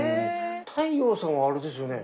太陽さんはあれですよね。